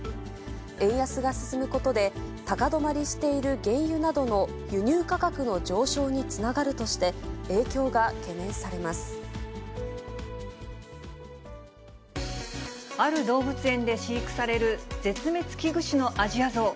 円安が進むことで、高止まりしている原油などの輸入価格の上昇につながるとして、ある動物園で飼育される絶滅危惧種のアジアゾウ。